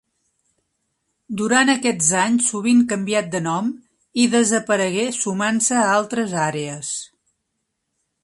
Durant aquests anys sovint canviat de nom i desaparegué sumant-se a altres àrees.